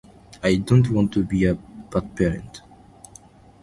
I don't want to be a bad parent.